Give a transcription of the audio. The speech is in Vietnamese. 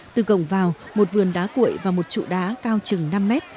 từ gồng vào một vườn đá cuội và một trụ đá cao chừng năm mét